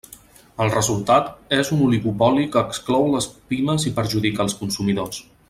El resultat és un oligopoli que exclou les pimes i perjudica els consumidors.